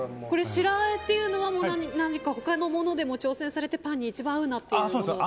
白あえっていうのは何か他のものでも挑戦されてパンに一番合うものをってことですか。